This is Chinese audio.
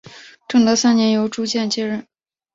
正德三年由朱鉴接任。